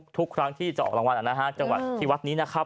ทุกครั้งที่จะออกรางวัลจังหวัดที่วัดนี้นะครับ